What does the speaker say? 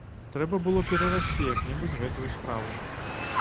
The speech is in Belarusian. Трэба было перарасці як-небудзь гэтую справу.